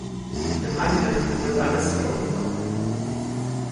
Mit dem Angriff wird alles in Ordnung kommen.